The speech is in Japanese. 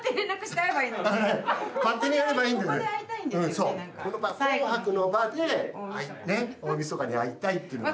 そう「紅白」の場で大みそかに会いたいっていうのが。